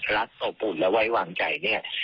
รัฐโตปุ่นและไว้วางใจ